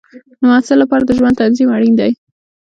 د محصل لپاره د ژوند تنظیم اړین دی.